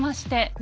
何？